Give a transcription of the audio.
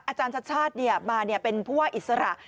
อาจารย์ชัดชาติมาเป็นผู้ว่าอิสระ